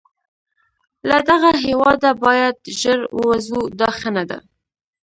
له دغه هیواده باید ژر ووزو، دا ښه نه ده.